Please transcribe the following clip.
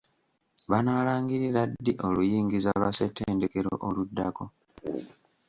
Banaalangirira ddi oluyingiza lwa ssettendekero oluddako?